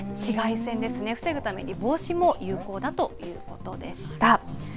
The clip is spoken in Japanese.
そして紫外線ですね、防ぐために帽子も有効だということでした。